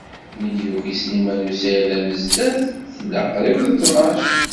Mi d-yuki Sliman u Saɛid Amezdat, tella qrib d ttnac.